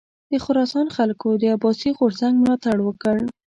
د خراسان خلکو د عباسي غورځنګ ملاتړ وکړ.